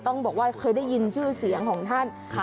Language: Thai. ต้องบอกว่าเคยได้ยินชื่อเสียงของท่าน